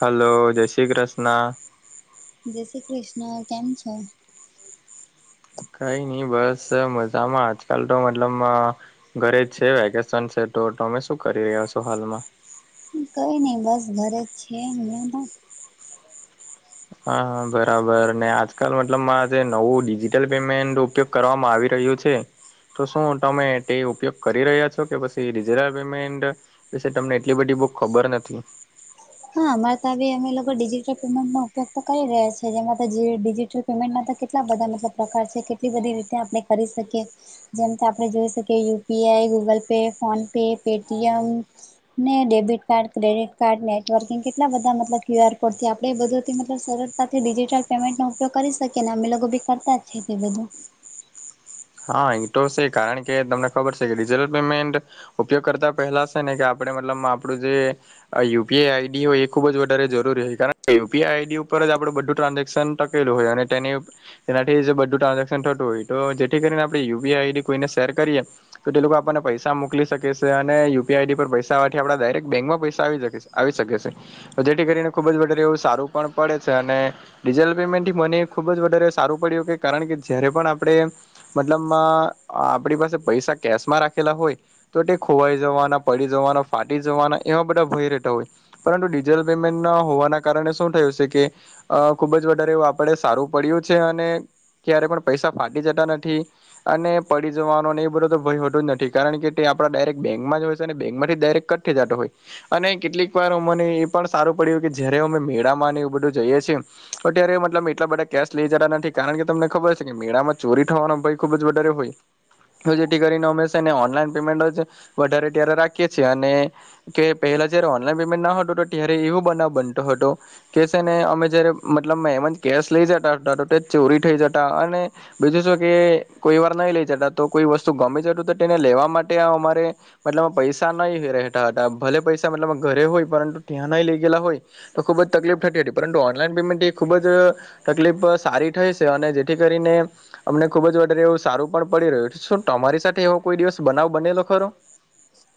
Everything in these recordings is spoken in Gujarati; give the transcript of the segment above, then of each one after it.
હલો જય શ્રી કૃષ્ણ જે શ્રી કૃષ્ણ કેમ છ. કઈ નઈ બસ મજામાં આજકાલ તો મતલબ ઘરે જ છે વેકેશન છે તો તમે શું કરી રહ્યા છો હાલમાં કઈ નઈિ બસ ઘરે જ છે, અમને તો હા બરાબર ને આજકાલ મતલબ મા જે નવું ડિજિટલ પેમેન્ટ ઉપયોગ કરવામાં આવી રહ્યું છે. તો શું તમે તે ઉપયોગ કરી રહ્યા છો કે પછી ડિજિટલ પેમેન્ટ પછ તમને એટલી બધી બુક ખબર નથી. હા અમારે તો અમે લોકો ડિજિટલ પેમેન્ટ નો ઉપયોગ તો કરી રહ્યા છે, જેમાં તોિજટલ પેમેન્ટમાં તો કેટલા બધા મતલબ પ્રકાર છે કેટલી બધી રીતે આપણે કરી શકીએ જેમથી આપણે જોઈ શકીએ UPI Google pay phone pay Paytm ને ડેબિટ કાર્ડ ક્રેડિટ કાર્ડ ને ંગ કેટલા બધા મતલબ ક્યુઆર કોડથી આપણે એ બધુંથીતલબ સરળતાથી ડિજિટલ પેમેન્ટ ન કરી શકીએ ને અમે લોકો બી કરતા જ છે, તે બધું હા અહી તો છે કારણ કે તમને ખબર છે કે ડિજિટલ પેમેન્ટ ઉપયોગ કરતા પહેલા છેને, કે આપણે મતલબ આપણું જે આ યુપીઆઈ આઈડી હોય એ ખૂબ જ વધારે જરૂરી હોય, કારણ યુપીઆઈ આઈડી ઉપર જડણે બધું ટ્રાન્ઝેક્શન હોય અને તે તેનાથી બધું ટ્રાન્ઝેક્શન થતું હોય તો કરીને આપણે યુપીઆ આઈડી કોઈને શેર કરીએ તો તે લોકો આપણને પૈસા મોકલી શકે છે, અને યુપીઆઈડી પર પૈસા આવવાથી આપણા ડાયરેક્ટ બેંકમાં પૈસા આવી શકે છે. આવી શકે છે, જેથી કરીને ખુબ જ વારે એવું સારું પણ પડે છે, અને ડિજિટલ પેમેન્ટ થી મને ખુબ જ વધારે સારું પડ્યું કે કારણ કે જયારે પણ આપડણે મતલબ આપડી પાસે પૈસા કેશમાં રાખેલા હોય. તો તે ખોવાઈ જવાના પડી જવાના ફાટી જવાના એવા બધા ભય રહેતા હોય. પરંતુ ડિજટલ પેમેન્ટ હોવાના કારણે શું થયું છે, કે અ ખુબ જ વધારે એવું આપડે સારું પડ્યું છે, અને ક્યારે પણ પૈસા ફાટી જતા નથી. ઠી અને પડી જવાનો એ બધલો તો ભય હોટું, જ નથી કારણ કે તે આપણા ડાયરેક્ટ બેન્કમાં જ હોય છે. અને બેંકમાંથી ડાયરેક્ટ કટ ઠજાતો હોય. અને કેટલીક વાર અમને એ પણ સારું પડ્યું કે જયારે અમે મેળામાં એવું બધું જઈએ છીએ. અત્યારે મતલબ એટલા બધા કેશ લઈ જતા નથી, કારણ કે તમને ખબર છે કે મેળામાં ચોરી થવાનો ભાઈ ખુબ જ વધારે હોય. હ જેથી કરીને હંમેશા, એને ઓનલાઈન પેમેન્ટ જ વધારે ત્યારે રાખીએ છીએ અને કે પહેલા જયારે ઓનલાઈન પેમેન્ટ ના હતુ, તો ત્યારે એવું બનાવ બનતો હતો. કે છે ને, અમે જયારે મતલબ મે એમ જ કેશ લઇ જતાોટે ચોરી થઇ જતા અને બીજું શ કે કોઈ વાર નહી લઈ જતા તો કોઈ વસ્તુ ગમી જત તો તેને લેવા માટે અમારે મતલબ પૈસા નહી રહેતા હતા ભલે પૈસા મતલબ ઘરે હોય પરંતુ ત્યાં ન લઇ ગયેલા હોય. તો ખૂબ જ તકલીફ થતી હતી, પરંતુ ઓનલાઈન પેમેન્ટ એ ખૂબજ તકલીફ સારી થઈ છે, અને જેથી કરીને અમને ખૂબ જ વધારે એવું સારું પણ પડી રહ્યું છે. શું તમારી સાથે એવો કોઈ દિવસ બનાવ બનેલો ખરો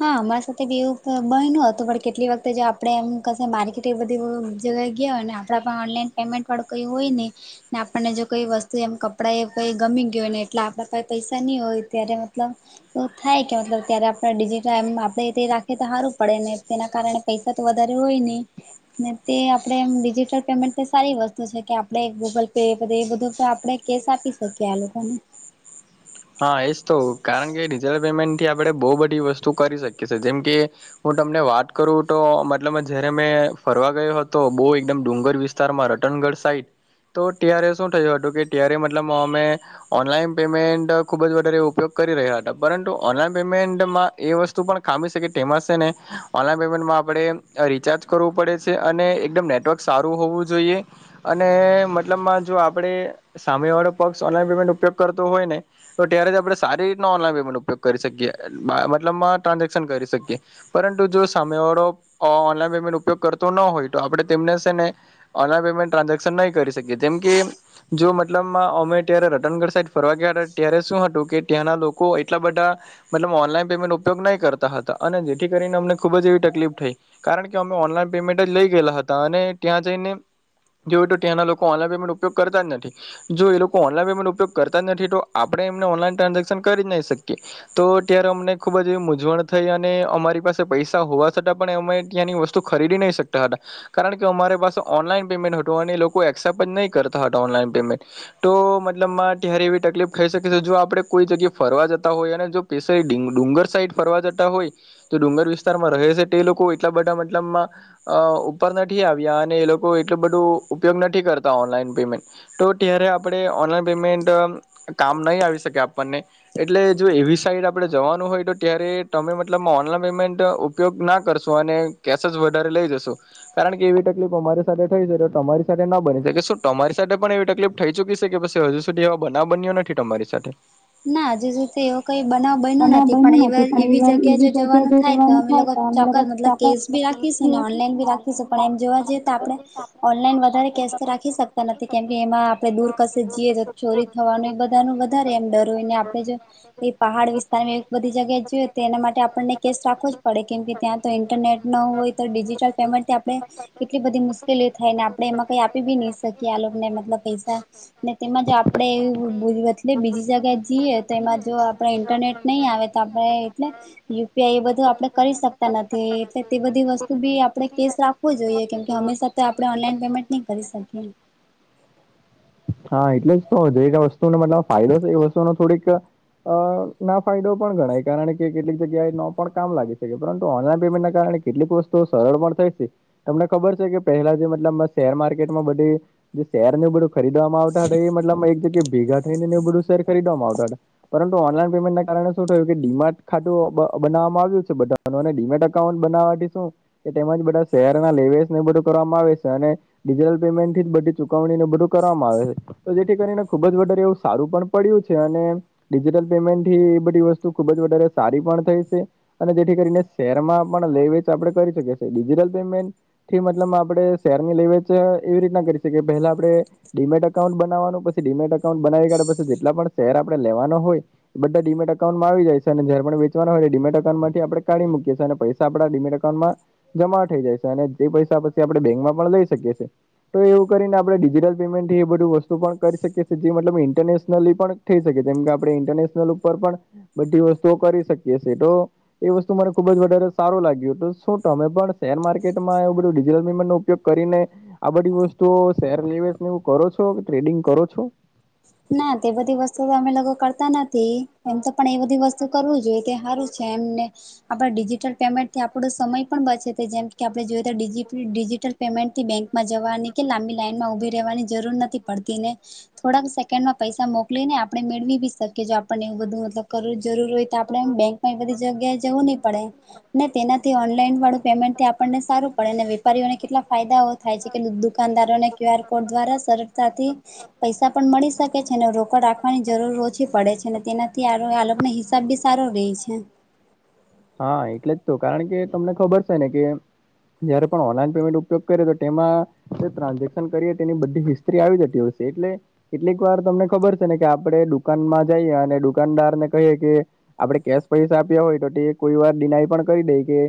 હા, અમારા સાથે બવું બય ન હતુ પણ કેટલી વખતે આપડે એમ ક મા કેટલી બધી જગ્યાએ ગયા હોય ને આપણા પણ ઓનલાઈન પેમેન્ટવાળું કયું હોય, ને ને આપણને જો કઈ વસ્તુ એમ કપડા એ કઈ ગમી ગય હોય ને એટલે આપણા પાસે પૈસા નઈ હોય, ત્યારે મતલબ તો થાય કે મતલબ ત્યારે આપણે એમ આપડે તે રાખી તો સારું પડે ને તેના કારણે પૈસા તો વધારે હોય, નહ ને તે આપણેે એમ ડિજિટલ પેમેન્ટ સારી વસ્તુ છે. કે આપડે ગૂગલ પે એ બધું આપણેે કેસ આપી શકીએ આ લોકોને હા એજ તો કારણ કે ડિજિટલ પેમેન્ટ થી આપણે બહુ બધી વસ્તુ કરી શકીએ છીએ, જેમ કે હું તમને વાત કરું તો મતલબ જયારે મેં ફરવા ગયો હતો બહુ એકદમ ડુંગર વિસ્ત વિતાર માં રટનગઢ સાઈટ તો ટીઆરએ શું થયું હતુ, કે ટીઆરએ મતલબ અમે ઓનલાઈન પેમેન્ટ ખૂબ જ વધારે ઉપયોગ કરી રહ્યા હતા પરંતુ ઓનલાઈન પેમેન્ટમાં એ વસ્તુ પણ ખામી શકે તેમાં છેને. ઓનલાઈન પેમેન્ટમાં આપણે રિચાર્જ કરવું પડે છે, અને એકદમ નેટવર્ક સારું હોવુ જોઈએ. અને મતલબમાં જો આપડે સામે વાળો પક્ષ ઓનલાઈન પેમેન્ટ ઉપયોગ કરતો હોય, ને તો ત્યારેથી આપણે સારી રીતના ઓનલાઈન પેમેન્ટ ઉપયોગ કરી શકીએ મતલબમાં ટ્રાન્ઝેક્શન કરી શકીએ. પરંતુ જો સામે વાળો ઓનલાઈન પેમેન્ટ ઉપયોગ કરતો ન હોય, તો આપણે તેમને છેને. ઓનલાઈન પેમેન્ટ ટ્રાન્ઝેક્શન નહી, કરી શકીએ તેમમ કે જો મતલબ અમે ત્યારે રતનગઢ સાઈડ ફરવા ગયા હતા. ત્યારે શું હતુ, કે ત્યાંના લોકો એટલા બધા મતલબ ઓનલાઈન પેમેન્ટ ઉપયોગ નહી કરતા હતા, અને જેથી કરીને અમને ખુબ જ એવી તકલીફ થઈ. કારણ કે અમે ઓનલાઈન પેમેન્ટ જ લઇ ગયેલા હતા, અને ત્યાં જઈને જો હોય તો ત્યાંના લોકો ઓનલાઈન પેમેન્ટ ઉપયોગ કરતા જ નથી જો એ લોકો ઓનલાઈન પેમેન્ટ ઉપયોગ કરતા જ નથી, તો આપણે એમને ઓનલાઈન ટ્રાન્ઝેક્શન કરી જ નહી, શકીએ તો ત્યારે અમને ખુબ જ એવી મૂંવણ થઈ અને અમારી પાસે પૈસા હોવા છતાં પણ અમે ત્યાંની વસ્તુ તો ખરીદી નહીંકતા, હતાટ કારણ કે અમારી પાસે ઓનલાઈન પેમેન્ટ હતું અને લોકો એસેપ્ટ જ નહી કરતા હતા ઓનલાન પેમેન્ટ તો મતલબમાં તારી એવી તકલીફ કઈ શકે છે જો આપડે કોઈ જગ્યાએ ફરવા જતા હોય અને જો પેશ ડુંગર સાઈડ ફરવા જતા હોય. તો ડુંગર વિસ્તારમાં રહે છે, તે લોકો એટલા બધા મતલબમાં અ ઉપર નથી આવ્યા અને એ લોકો એટલું બધું ઉપયોગ નથી, કરતા ઓનલાઈન પેમેન્ટ તો ત્યારે આપડે ઓનલાઈન પેમેન્ટ કામ નહી આવી શકે આપણને. એટલે જો એવી સાઈટે આપણે જવાનું હોય, તો ત્યારે તમે મતલબ ઓનલાઈન પેમેન્ટ ઉપયોગ ના કરશો. અને. કેસ જ વધારે લઈ જશો કારણ કે એવી તકલીફ અમારી સાથે થઈ. શકે તો તમારી સાથે ના બની શકે શું તમારી સાથે પણ એવી તકલીફ થઈ ચુકી છે, કે પી હજુ સુધી એવા બનાવ બન્યો નથી તમારી સાથે ના હજુ સુધી એવો કઈ બનાવ બન્યું નથી પણ એ એવી જગ્યા જો જવાનું થાય તો અમે લોકો ચોક્કસ લ કેશ ભી રાખીશ ને ઓનલાઈન બી રાખીશું પણ એમ જોવા જઈએ તો આપણે ઓનલાઈન વધારે કેશ તો રાખી, શએ. નથી કેમ કે એમાં આપડે દૂર કશે જઈએ, તો ચોરી થવાનું એ બધા ન વધારે એમ ડર એને આપણે જ એ પહાડ વિસ્તારની એક બધી જગ્યાએ જોઈએ તો એના માટે આપણને કેસ રાખવો જ પડે કેમ કે ત્યાં તો ઇન્ટરનેટ ન હોય તો ડિજિટલ પેમેન્ટથી આપણે કેટલી બધી મુશ્કેલી થાય ને આપડણે એમાં કઈ આપી બી નઈ શકીએ આ લોકોને, મતલબ પૈસા ને તેમાંજ આપડે એતલે બીજી જગ્યાએ. જઈએ તો એમાં જો આપણે ઇન્ટરનેટ નહીં આવે, તો આપણે એટલે. યુપીઆઈ એ બધું આપડે કરી શકતા નથી. એટલે તે બધી વસ્તુ ભી આપણે કેસ રાખ. જોઈએ, કેમ કે હંમેશા તો આપણે ઓનલાઈન પેમેન્ટ નહીં કરી શકીએ. હા એટલે જ તો જે વસ્તુ ને મતલબ ફાયદો છે. એ વસ્તુનો થોડીક. અ ના ફાયદો પણ ગણાય, કારણ કે કેટલીક જગ્યાએ ન પણ કામ લાગી શકે પરંતુ ઓનલાઈન પેમેન્ટ કારણે. કેટલીક વસ્તુઓ સરળ પણ થાય છે. તમને ખબર છે, કે પહેલા જે મતલબ શેર માર્કેટમાં બધી જે શેર ન બધું. ખરીદવામાં આવતા હતા એ મતલબમાં એક જગ્યા ભેગા થઈ ને એવું બધું શૅર ખરીદવામાં આવતા હતા. પરંતુ ઓનલાઈન પેમેન્ટના કારણે શું થયું, કે ડીમેટ ખાતું બનાવવામાં આવ્યું છે. બધા. ને ડીમેટ એકાઉન્ટ બનાવવાથી શું, કે તેમાં જ બધા શૅરના લેવેસ ને બધું કરવામાં આવે છે. અને ડિજિટલ પેમેન્ટ થી જ બધી ચુકવણી ને બધું કરવામાં આવે છે, તો જેથી કરીને. ખુબ જ વધારે એવું સારું પણ પડ્યું છે. અને. ડિજિટલ પેમેન્ટ એ બધી વસ્તુ ખુબ જ વધારે સારી પણ થઈ છે. અને જેથી કરીને શેરમાં પણ લે વેચ આપડે કરી શકીએ. Digital payment. મતલબ માં આપડે શેરની લે વેચ એવી રીતના કરી શકીએ, પહેલા આપડે. ડીમેટ અકાઉન્ટ બનાવવાનું પછી ડીમેટ અકાઉન્ટ બનાવી કાઢે પછી જેટલા પણ શેર આપડે લેવાનો હોય. બધા ડીમેટ અકાઉન્ટમાં આવી જાય છે, અને જ્યારે પણ વેચવાના હોય એટલે ડીમેટ અકાઉન્ટમાંથી આપણે કાઢી મૂકીએ અને પૈસા આપડા ડિમેટ અકાઉન્ટમાં જમા થઈ જાય છે. અને તે પૈસા પછી આપણેે બેંક માં પણ લઈ શકીએ છીએ. તો એવું કરીને આપણે ડિજિટલ પેમેન્ટ થી એ બધી વસ્તુ પણ કરી જે મતલબ ઇન્ટરનેશનલી પણ થઈ શકે, જેમ કે આપણે ઇન્ટરનેશનલ ઉપર પણ બધી વસ્તુઓ કરી શકીય છે, તો એ વસ્તુ મને ખુબ જ વધારે સારું લાગ્યું તો, શું તમે પણ શેર માર્કેટમાં એવું બધું ડિજિટલમેન્ટનો ઉપયોગ કરીને આ બધી વસ્તુઓ શેર નિવેસ ને એવું કરો છો, ટ્રેડિંગ કરો છો, ના, તે બધી વસ્તુ તો અમે લોકો કરતા નથી. એમ તો પણ એ બધી વસ્તુ કરવું જોઈએ, કે સારું છે એમને આપણે ડિજિટલ પેમેન્ટ થી આપણો સમય પણ બચે, જેમ કે આપડે જોઈએ તો ડિજિટલ પેમેન્ટ થી બેંકમાં જવાની કે લાંબી લાઈનમાં ઉભી રહેવાની જરૂર નથી પડતી ને થોડાક કેનમાં પૈસા મોકલીને આપણે મેળવી બી શકીએ છે. પણ એવું બધું મતલબ કરવું જરૂર હોય, તો આપણે બેંકમાં એ બધી જગ્યાએ જવું નહી પડે. ને તેનાથી ઓનલાઈન વાળું પેમેન્ટથી આપણને સારું પડે અને વેપારીઓને કેટલા ફાયદા હોય. થાય છે, કે દુકાનદારોને ક્યુ આર કોડ દ્વારા સરળતાથી પૈસા પણ મળી શકે છે અને રોકડ રાખવાની જરૂર ઓછી પડે છે. ત્યારે આ લોકનો હિસાબ બી સારો રહે છે. હા, એટલે જ તો કારણ કે તમને ખબર છે ને કે જયારે પણ ઓનલાઈન પેમેન્ટ ઉપયોગ કરે, તો તેમાં ટ્રાન્ઝેક્શન કરીએ તેની બધી હિસ્ટ્રી આવી જતી હોય છે. એટલે કેટલીક વાર તમને ખબર છે ને કે આપણે દુકાનમાં જઈએ અને દુકાનદાર ને કહીએ, કે આપડણે કેશ પૈસા આપ્યા હોય તો તે કોઈ વાર ડિનાય પણ કરી દે કે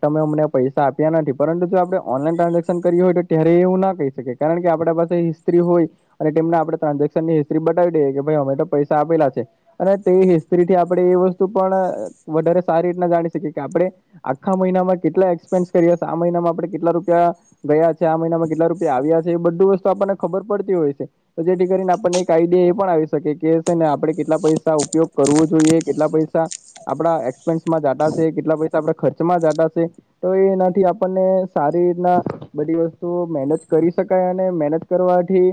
તમે અમને પૈસા આપ્યા નથી પરંતુ જો આપડણે ઓનલાઈન ટ્રાન્ઝેક્શન કરીયું હોય તો ત્યારે એવું ના કહી શકી કારણ કે આપણા પાસે હિસ્ટ્રી હોય અને તેમને આપણે ટ્રાન્ઝેક્શન ની હિસ્ટ્રી બતાવી દઈએ કે ભાઈ અમે તો પૈસા આપેલા છે. અને તે હિસ્ટ્રી થી આપણે એ વસ્તુ પણ વધારે સારી રીતના જાણી શકીએ, કે આપણે આખા મહિનામાં કેટલા એક્સપેન્સ કર્યા હતા. આ મહિનામાં આપડે કેટલા રૂપિયા ગયા છે. આ મહિનામાં કેટલા રૂપિયા આવ્યા છે, એ બધું વસ્તુ આપણને ખબર પડતી હોય છે. તો જેથી કરીને આપણને એક આઈડિયા એ પણ આવી શકે, કે છે ને આપણે કેટલા પૈસા ઉપયોગ કરવો જોઈએ, કેટલા પૈસા આપડા એક્સપેન્સમાં જાતાશે, કેટલા પૈસા આપડા ખર્ચમાં જાતાશે, તો એ એનાથી આપણને સારી રીતના બધી વસ્તુઓ મેનેજ કરી શકાય અને મેનેજ કરવાથી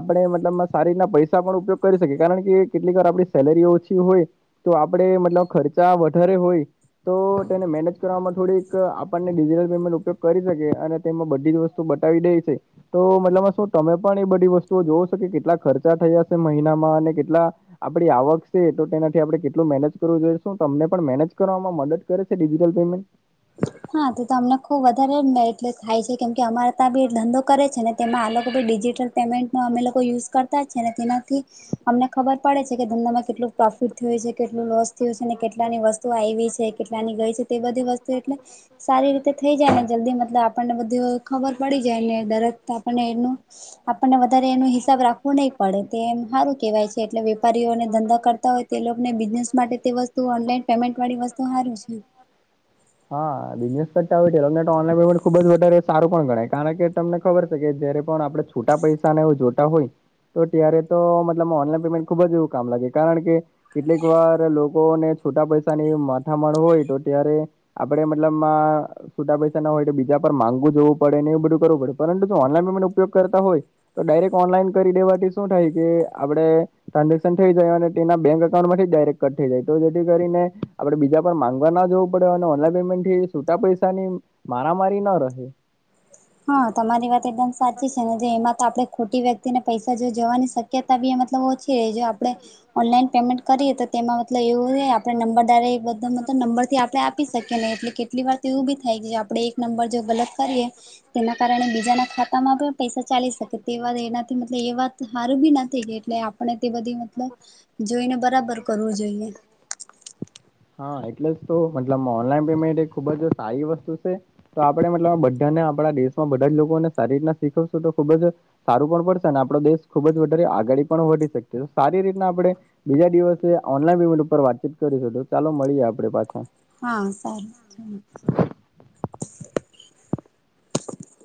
આપણે મતલબમાં સારી રીતના પૈસા પણ ઉપયોગ કરી શકીએ. કારણ કે કેટલીકવાર આપડી સેલરી ઓછી હોય, તો આપડે મતલબ ખર્ચા વધારે હોય. તો તેને મેનેજ કરવામાં થોડીક આપણને ડિજિટલ પેમેન્ટ ઉપયોગ કરી શકીએ. અને તેમાં બધી જ વસ્તુ તો બતાાવી દે છે તો મતલબ શું તમે પણ એ બધી વસ્તુઓ જોવ છો કે કેટલા ખર્ચા થયા હશે મહિનામાં અને કેટલા આપડી આવક છે તો તેનાથી આપડણે કેટલું મેનેજ કરવું જોઈએ શું તમને પણ મેનેજ કરવામાં મદદ કરે છે ડિજિટલ પેમેન્ટ. હા તો તો તમને ખુબ વધારે મે એટલે થાય છે કેમ કે અમા ત્યાં બ એ ધંધો કરે છે ને તેમાં આ લોકો ભી ડિજિટલ પેમેન્ટનો અમે લોકો યુઝ કરતા તા છે ને તેનાથી અમને ખબર પડે છે કે ધંધામાં કેટલું પ્રોફિટ થયું છે કેટલું લોસ થયુ છે ને કેટલાની વસ્તુ તુ આવી છે કેટલાની ગઈ છે તે બધી વસ્તુ એટલે સારી રીતે થઈ જાય ને જલ્દી મતલબ આપણને બધું ખબર પડી જાય ને દરદ આપણને એનું આપણને વધારે એનો હિસાબ રાખવો નહી પડે તે એમ સારું કેહેવાય છે એટલે વેપારીઓને ધંધા કરતા હોય તેને બિઝનેસ માટે વસ્તુ ઓનલાઈન પેમેન્ટ વાળી વસ્તુ સારૂ છે એમ. હા બિઝનેસ કરતા હોય ઓનલાઈન પેમેન્ટ ખુબ જ વધારે સારું પણ ગણાય કારણ કે તમને ખબર છે કે જયારે પણ આપણે છૂટા પૈસા ને જો હોય તો ત્યારે તો મતલ ઓનલાઈન પેમેન્ટ ખુબ જ એવું કામ લાગે કારણ કે કેટલીક વાર લોકોને છોટા પૈસાની માથા માણ હોય તો ત્યારે આપણે મતલબમાં છુંટા પૈસા ના હોય તો બીજા પર માંગું જોવું પડેને એવ બધું કરવું પડે પરંતું જો ઓનલાઈન પમેન્ટ ઉપયોગ કરતા હોય તો ડાયરેક્ટ ઓનલાઈન કરી દેવાથી શું થાય કે આપડે ટ્રાન્ઝેક્શન થઈ જાય અને તેના બેંક અઉન્ટમાંથી જ ડાયરેક્ટ કટ થઈ જાય તો જેથી કરીને આપડે બીજા માંગવા ના જોવું પડે અને ઓનલાઈન પેમેન્ટ થી છૂટા પૈસાની મારામારી ના રહે. હા તમારી વાત એકદમ સાચી છે ને જે એમાં તો આપણે ખોટી વ્યક્તિને પૈસા જો જવાની શક તા ઓછી હોય જો આપણે ઓનલાઈન પેમેન્ટ કરીએ તો તેમાં મતલબ એવું આપણે નંબર દારે એ બધા મતલબ નંબરથી આપણે આપી શકીએ નહી એટલે કે કેટલી વાર તો એવું બી થાય કે આપડે એક નંબર જો ગલત કરીએ એના કારણે બીજાના ખાતામાં પણ પૈસા ચાલી શકે તે વાત એનાથી મત એ વાત સારું બી નથી એટલે પણ તે બધી મતલબ જોઈને બરાબર કરવું જોઈએ. હા એટલે જ તો મતલબ ઓનલાઈન પેમેન્ટ એ ખુબ જ સારી વસ્તુ છે. તો આપણે મતલબ બધાને આપણા દેશમાં બધા જ લોકોને સારી રીતના શીખવશું તો ખુબ જ સારું પણ પડશે આપડો દેશ ખુબ જ વધારે આગળ પણ વધી શકશે સારી રીતના આપણે બીજા દિવસે ઓનલાઈન પેમેન્ટ ઉપર વાતચીત કરી હોય તો ચાલો મળીએ આપડે પાછા. હા સારૂ.